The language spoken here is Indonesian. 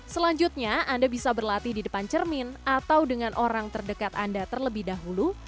selanjutnya anda bisa berlatih di depan cermin atau dengan orang terdekat anda terlebih dahulu